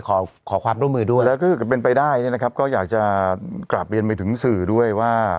ขอขอความร่วมมือด้วยแล้วก็เป็นไปได้เนี่ยนะครับก็อยากจะกลับเรียนไปถึงสื่อด้วยว่า